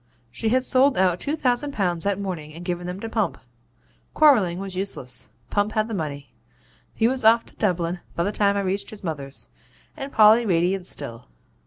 She had sold out two thousand pounds that morning and given them to Pump. Quarrelling was useless Pump had the money; he was off to Dublin by the time I reached his mother's, and Polly radiant still.